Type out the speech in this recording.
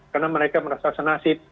karena mereka merasa senasib